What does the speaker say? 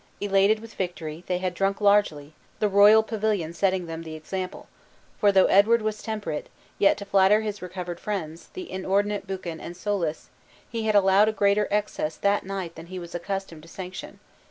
Elated with victory, they had drunk largely, the royal pavilion setting them the example; for though Edward was temperate, yet, to flatter his recovered friends, the inordinate Buchan and Soulis, he had allowed a greater excess that night than he was accustomed to sanction.